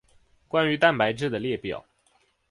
关于蛋白质的列表。